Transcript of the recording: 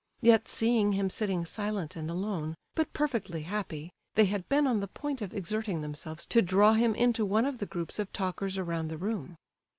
Yet seeing him sitting silent and alone, but perfectly happy, they had been on the point of exerting themselves to draw him into one of the groups of talkers around the room.